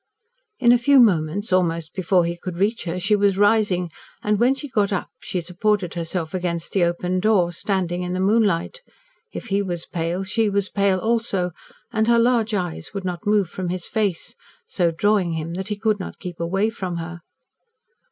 In a few moments, almost before he could reach her, she was rising, and when she got up she supported herself against the open door, standing in the moonlight. If he was pale, she was pale also, and her large eyes would not move from his face, so drawing him that he could not keep away from her.